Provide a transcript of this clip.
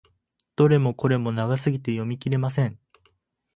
どれもこれも長すぎて読み切れません。